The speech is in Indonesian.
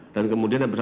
dan kemudian dikirimkan